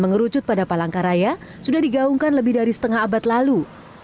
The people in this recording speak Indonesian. mengerucut pada palangkaraya sudah digaungkan lebih dari setengah abad lalu